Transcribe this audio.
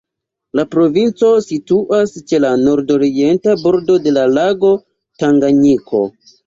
La provinco situas ĉe la nordorienta bordo de la lago Tanganjiko.